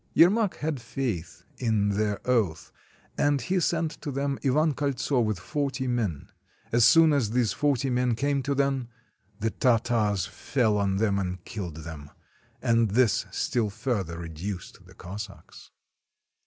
Yermak had faith in their oath, and he sent to them Ivan Koltso with forty men. As soon as these forty men came to them, the Tartars fell on them and killed them ; and this still further reduced the Cossacks.